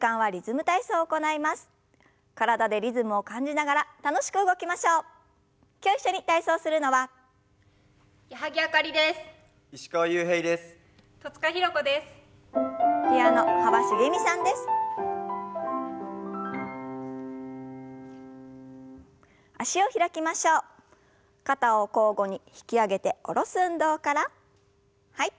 はい。